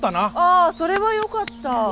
あそれはよかった。